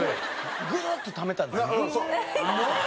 グーッとためたグーッ！